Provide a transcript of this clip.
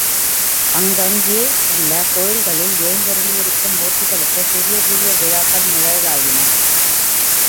அங்கங்கே உள்ள கோயில்களில் எழுந்தருளியிருக்கும் மூர்த்திகளுக்குப் பெரிய பெரிய விழாக்கள் நிகழலாயின.